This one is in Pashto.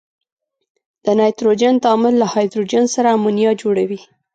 د نایتروجن تعامل له هایدروجن سره امونیا جوړوي.